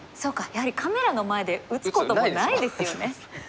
やはりカメラの前で打つこともないですよね。